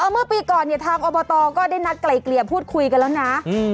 เมื่อปีก่อนเนี่ยทางอบตก็ได้นัดไกลเกลี่ยพูดคุยกันแล้วนะ